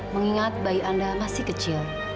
mengingat bayi anda masih kecil